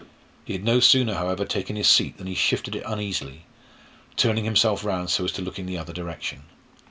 He had no sooner, however, taken his seat than he shifted it uneasily, turning himself round so as to look in the other direction.